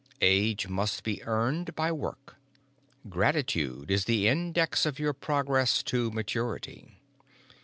AGE MUST BE EARNED BY WORK. GRATITUDE IS THE INDEX OF YOUR PROGRESS TO MATURITY.